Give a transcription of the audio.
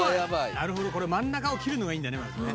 なるほどこれ真ん中を切るのがいいんだよねまずね。